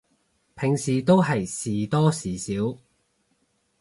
平時都係時多時少